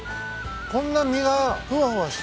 こんな身がふわふわしてるんですか。